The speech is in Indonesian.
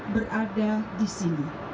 berada di sini